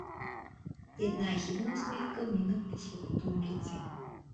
И една ехидна усмивка мина по сухото му лице.